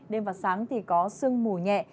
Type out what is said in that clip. đêm và sáng thì có sương mù nhẹ